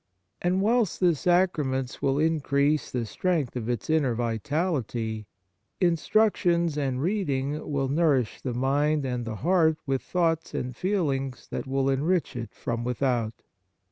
And whilst the sacraments will increase the strength of its inner 109 On the Exercises of Piety vitality, instructions and reading will nourish the mind and the heart with thoughts and feelings that will enrich it from without.